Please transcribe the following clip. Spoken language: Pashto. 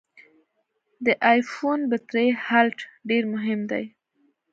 د ای فون بټري هلټ ډېر مهم دی.